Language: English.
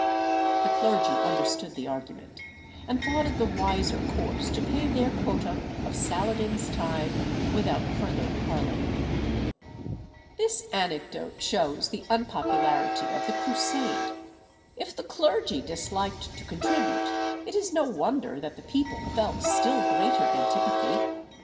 The clergy understood the argument, and thought it the wiser course to pay their quota of Saladin's tithe without further parley. Elémens de l'Histoire de France. This anecdote shews the unpopularity of the Crusade. If the clergy disliked to contribute, it is no wonder that the people felt still greater antipathy.